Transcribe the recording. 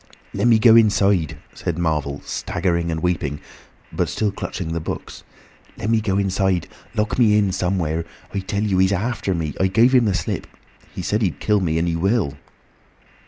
"Lemme go inside," said Marvel, staggering and weeping, but still clutching the books. "Lemme go inside. Lock me in—somewhere. I tell you he's after me. I give him the slip. He said he'd kill me and he will."